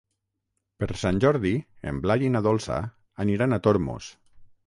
Per Sant Jordi en Blai i na Dolça aniran a Tormos.